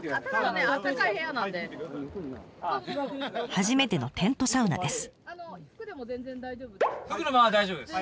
初めてのテントサウナです。